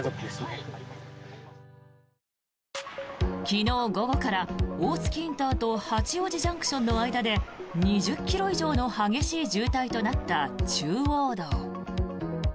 昨日午後から大月ＩＣと八王子ＪＣＴの間で２０ｋｍ以上の激しい渋滞となった中央道。